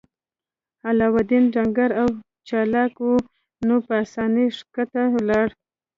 علاوالدین ډنګر او چلاک و نو په اسانۍ ښکته لاړ.